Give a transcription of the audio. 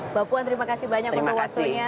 mbak puan terima kasih banyak untuk waktunya